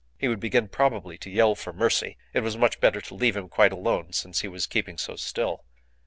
He would begin probably to yell for mercy. It was much better to leave him quite alone since he was keeping so still.